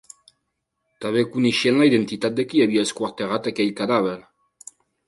També coneixien la identitat de qui havia esquarterat aquell cadàver.